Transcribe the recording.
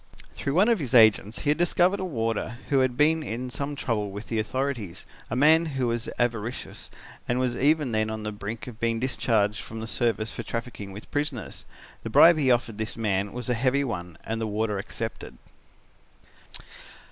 "Through one of his agents he discovered a warder who had been in some trouble with the authorities, a man who was avaricious and was even then on the brink of being discharged from the service for trafficking with prisoners. The bribe he offered this man was a heavy one and the warder accepted.